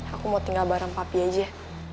aku mau tinggal bareng papi aja